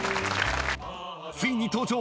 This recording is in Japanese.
［ついに登場！